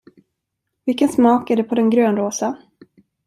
Vilken smak är det på den grönrosa?